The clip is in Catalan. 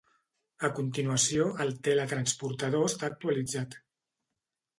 A continuació, el teletransportador està actualitzat.